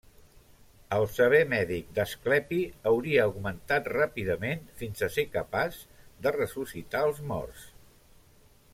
El saber mèdic d'Asclepi hauria augmentat ràpidament fins a ser capaç de ressuscitar als morts.